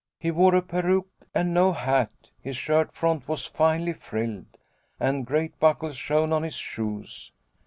He wore a peruke and no hat, his shirt front was finely frilled, and great buckles shone on his shoes.